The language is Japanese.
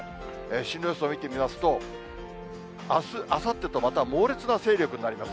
進路予想を見てみますと、あす、あさってと、また猛烈な勢力になります。